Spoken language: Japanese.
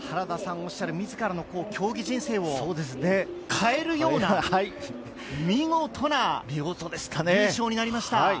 おっしゃる、自らの競技人生を変えるような見事な優勝になりました！